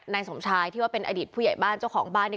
นายสมชายที่ว่าเป็นอดีตผู้ใหญ่บ้านเจ้าของบ้านเนี่ย